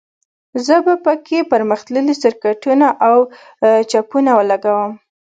زه به په کې پرمختللي سرکټونه او چپونه ولګوم